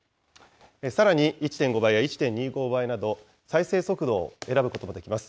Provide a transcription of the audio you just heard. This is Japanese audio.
さらに１．５倍や１．２５倍など、再生速度を選ぶこともできます。